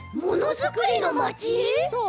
そう。